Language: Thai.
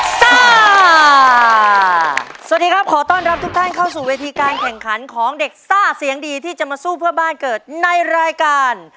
สวัสดีครับขอต้อนรับทุกท่านเข้าสู่เวทีการแข่งขันของเด็กซ่าเสียงดีที่จะมาสู้เพื่อบ้านเกิดในรายการ